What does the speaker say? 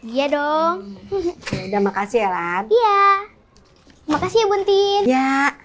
iya dong udah makasih ya lan iya makasih buntin ya